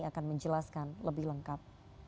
akan menjelaskan lebih lengkap